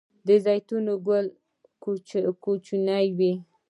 د زیتون ګل کوچنی وي؟